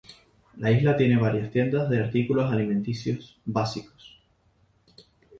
La isla tiene varias tiendas de artículos alimenticios básicos.